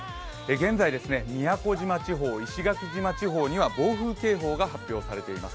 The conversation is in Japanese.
現在、宮古島地方、石垣島地方には暴風警報が発表されています。